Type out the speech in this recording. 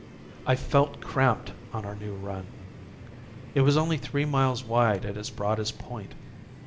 I felt cramped on our new run. It was only three miles wide at its broadest point.